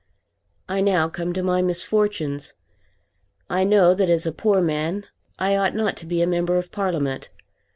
I now come to my misfortunes. I know that as a poor man I ought not to be a member of Parliament.